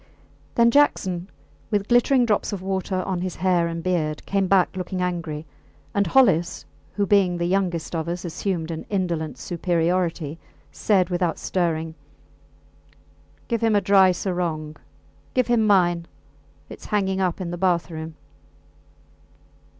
Then Jackson, with glittering drops of water on his hair and beard, came back looking angry, and Hollis, who, being the youngest of us, assumed an indolent superiority, said without stirring, Give him a dry sarong give him mine; its hanging up in the bathroom.